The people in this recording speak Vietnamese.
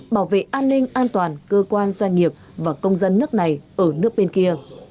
bảo vệ an ninh an toàn cơ quan doanh nghiệp và công dân nước này ở nước bên kia